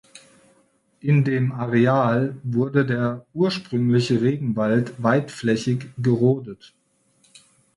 In dem Areal wurde der ursprüngliche Regenwald weitflächig gerodet.